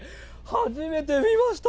初めて見ました、